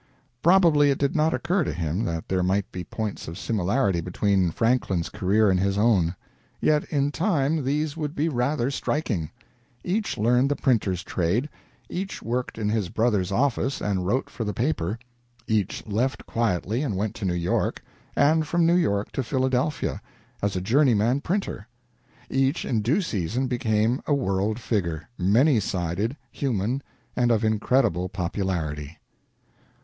Probably it did not occur to him that there might be points of similarity between Franklin's career and his own. Yet in time these would be rather striking: each learned the printer's trade; each worked in his brother's office and wrote for the paper; each left quietly and went to New York, and from New York to Philadelphia, as a journeyman printer; each in due season became a world figure, many sided, human, and of incredible popularity.